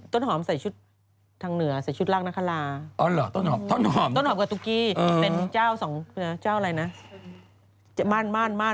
ตุ๊กแก่บ้างตุ๊กแก่เป็นไงหรอ